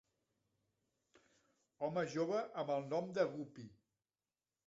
Home jove amb el nom de Guppy!